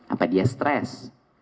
apakah dia stres